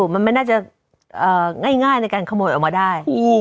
มันไม่น่าจะง่ายในการขโมยออกมาได้